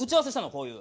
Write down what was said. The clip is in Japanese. こういう。